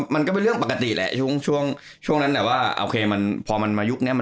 มันก็เป็นเรื่องปกติแหละช่วงช่วงนั้นแต่ว่าโอเคมันพอมันมายุคนี้มัน